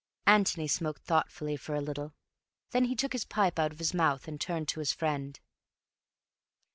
Antony smoked thoughtfully for a little. Then he took his pipe out of his mouth and turned to his friend.